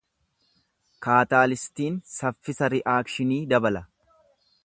Kaataalistiin saffisa Ri’aakshinii dabala.